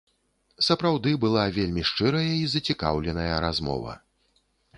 Сапраўды, была вельмі шчырая і зацікаўленая размова.